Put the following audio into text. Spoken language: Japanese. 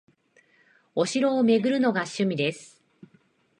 お城を巡るのが趣味です